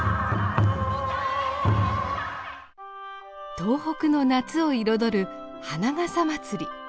東北の夏を彩る花笠まつり。